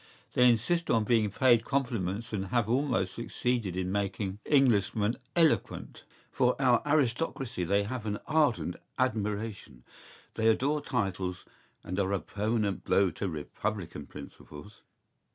¬Ý They insist on being paid compliments and have almost succeeded in making Englishmen eloquent.¬Ý For our aristocracy they have an ardent admiration; they adore titles and are a permanent blow to Republican principles.